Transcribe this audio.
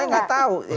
saya gak tau